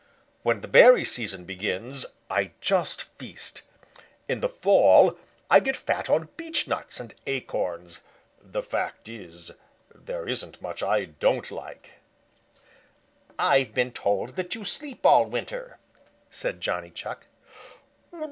When the berry season begins, I just feast. In the fall I get fat on beechnuts and acorns. The fact is, there isn't much I don't like." "I've been told you sleep all winter," said Johnny Chuck.